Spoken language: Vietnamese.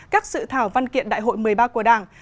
các sự thảo văn kiện đại hội một mươi ba của đảng